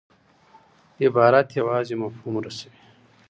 عبارت یوازي مفهوم رسوي.